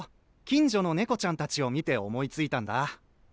近所の猫ちゃんたちを見て思いついたんだ。